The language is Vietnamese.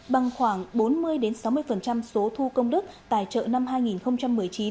bằng khoảng bốn mươi sáu mươi số thu công đức tài trợ năm hai nghìn một mươi chín